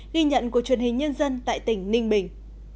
ghi nhận của truyền hình nhân dân tại tỉnh ninh bình